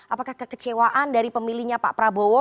apakah kekecewaan dari pemilihnya pak prabowo